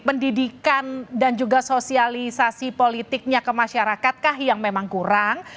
pendidikan dan juga sosialisasi politiknya ke masyarakat kah yang memang kurang